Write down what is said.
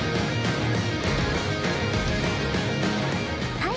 はい